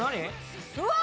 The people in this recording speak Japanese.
うわ！